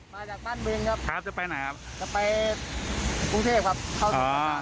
มาจากบ้านเบียงครับครับจะไปไหนครับจะไปกรุงเทพครับ